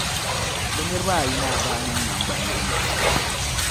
bɛ niriba ayi maa daa niŋ nangbani yini.